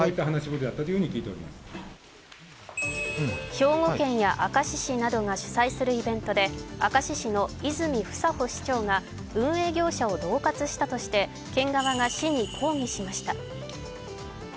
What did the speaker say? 兵庫県や明石市などが主催するイベントで、明石市の泉房穂市長が運営業者をどう喝したとして県側が市に抗議しました。